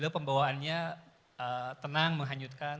pembawaannya tenang menghanyutkan